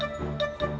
kamu mau ke rumah